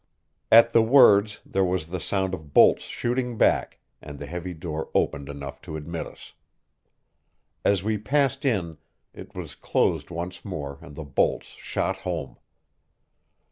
At the words there was the sound of bolts shooting back, and the heavy door opened enough to admit us. As we passed in, it was closed once more and the bolts shot home.